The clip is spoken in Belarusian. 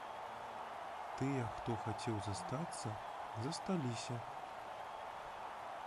Тыя, хто хацеў застацца, засталіся.